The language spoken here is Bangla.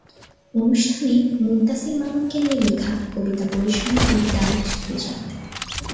অনুষ্ঠানে মুনতাসীর মামুনকে নিয়ে লেখা কবিতা পড়ে শোনান কবি তারিক সুজাত।